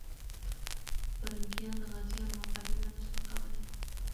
پرنګیان د غازيانو مقابله نه سوه کولای.